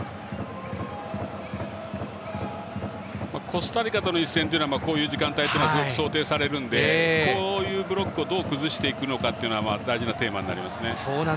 コスタリカとの一戦はこういった時間帯が、すごく想定されるんでこういうブロックをどう崩していくのかというのは大事なテーマになりますね。